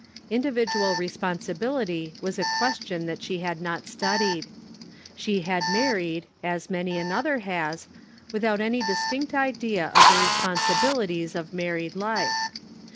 Individual responsibility was a question that she had not studied. She had married, as many another has, without any distinct idea of the re sponsibilities of married life.